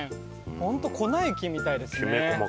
本当粉雪みたいですね。